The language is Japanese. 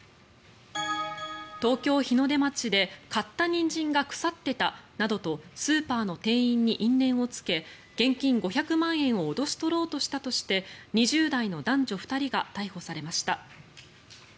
東京・日の出町で買ったニンジンが腐ってたなどとスーパーの店員に因縁をつけ現金５００万円を脅し取ろうとしたとして２０代の男女２人が逮捕されました。